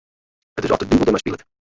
It is oft de duvel dermei spilet.